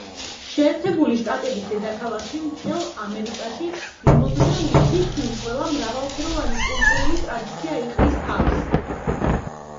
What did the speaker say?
შეერთებული შტატების დედაქალაქში მთელ ამერიკაში მიმობნეული თითქმის ყველა მრავალფეროვანი კულტურული ტრადიცია იყრის თავს.